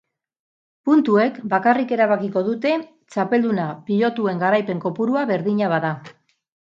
Puntuek bakarrik erabakiko dute txapelduna pilotuen garaipen kopurua berdina bada.